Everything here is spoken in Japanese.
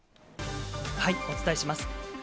お伝えします。